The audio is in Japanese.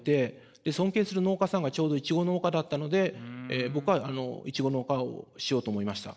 尊敬する農家さんがちょうどイチゴ農家だったので僕はイチゴ農家をしようと思いました。